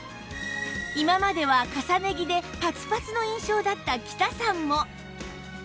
今までは重ね着でパツパツの印象だった喜多さんも